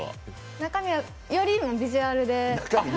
中身よりビジュアルで。